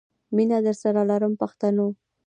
مینه درسره لرم پښتنو.